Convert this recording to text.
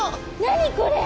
何これ！？